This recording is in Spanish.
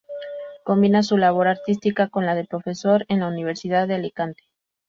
Combina su labor artística con la de profesor en la Universidad de Alicante.